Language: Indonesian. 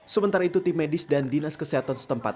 sementara itu tim medis dan dinas kesehatan setempat